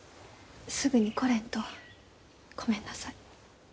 すぐに来れんとごめんなさい。